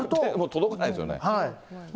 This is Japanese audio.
届かないですよね。